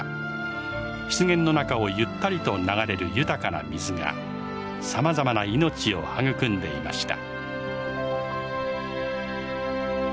湿原の中をゆったりと流れる豊かな水がさまざまな命を育んでいました。